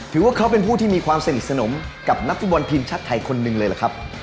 ถือว่าเขาเป็นผู้ที่มีความสนิทสนมกับนักฟุตบอลทีมชาติไทยคนหนึ่งเลยล่ะครับ